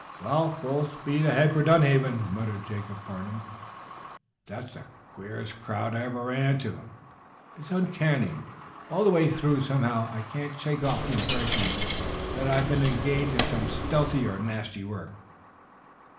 "Well, full speed ahead for Dunhaven," muttered Jacob Farnum. "But that's the queerest crowd I ever ran into. It's uncanny, all the way through. Somehow, I can't shake off the impression that I've been engaged in some stealthy or nasty work."